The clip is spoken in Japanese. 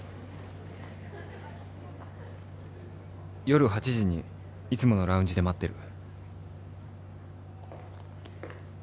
「夜８時にいつものラウンジで待ってる」